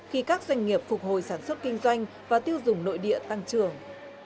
khi các doanh nghiệp phục hồi sản xuất kinh doanh và tiêu dùng nội địa tăng trưởng